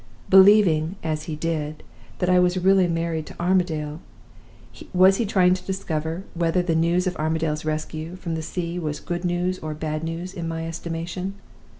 Believing, as he did, that I was really married to Armadale, was he trying to discover whether the news of Armadale's rescue from the sea was good news or bad news in my estimation?